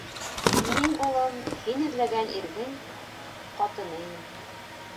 Мин, улым, һин эҙләгән ирҙең... ҡатыны инем...